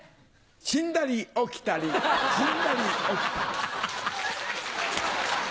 死んだり起きたり死んだり起きたり。